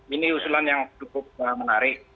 ini usulan yang cukup menarik